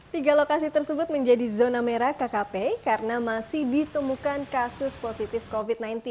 tiga lokasi tersebut menjadi zona merah kkp karena masih ditemukan kasus positif covid sembilan belas